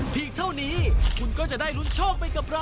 เท่านี้คุณก็จะได้ลุ้นโชคไปกับเรา